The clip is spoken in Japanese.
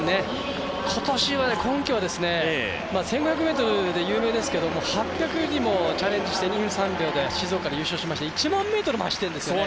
今年は今季は１５００ｍで有名ですけど８００にもチャレンジして２分３秒で静岡で優勝しまして１００００ｍも走ってるんですね